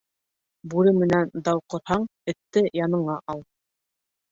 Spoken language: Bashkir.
Бүре менән дау ҡорһаң, этте яныңа ал.